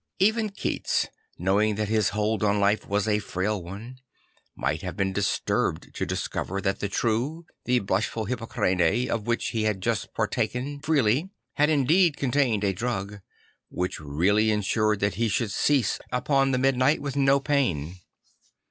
Even Keats, knowing that his hold on life was a frail one, might have been disturbed to discover that the true, the blushful Hippocrene of \vhich he had just partaken freely had indeed contained a drug, which really ensured that he should cease upon the midnight with no pain.